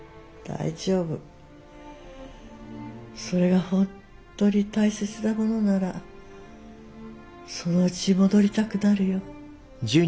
それが本当に大切なものならそのうち戻りたくなるよ。